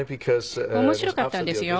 面白かったんですよ。